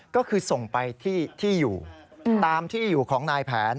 ก็คือส่งไปที่อยู่ตามที่อยู่ของนายแผน